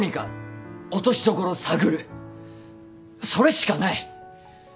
それしかない。